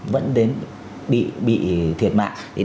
vẫn đến bị thiệt mạng